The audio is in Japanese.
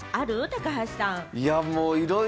高橋さん。